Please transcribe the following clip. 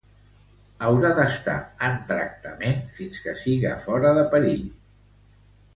Haurà d'estar en tractament fins que siga fora de perill.